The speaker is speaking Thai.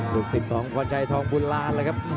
ลูกศิษย์ของพวัดสินชัยทองบุราณครับครับ